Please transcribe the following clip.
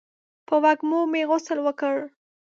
په وږمو مې غسل وکړ